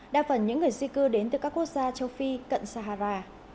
đa phần những người di cư đến từ các quốc gia châu phi cận sahara